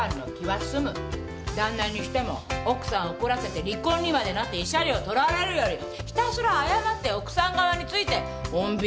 旦那にしても奥さん怒らせて離婚にまでなって慰謝料取られるよりひたすら謝って奥さん側について穏便に収めたほうが得ってわけ。